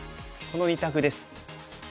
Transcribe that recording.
この２択です。